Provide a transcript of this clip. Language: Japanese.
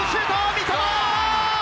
三笘！